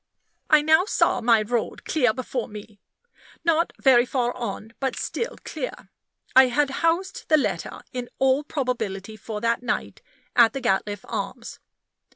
I now saw my road clear before me not very far on, but still clear. I had housed the letter, in all probability for that night, at the Gatliffe Arms.